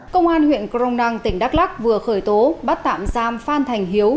công an huyện cronang tỉnh đắk lắc vừa khởi tố bắt tạm giam phan thành hiếu